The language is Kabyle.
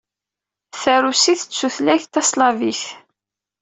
Tarusit d tutlayt taslavit.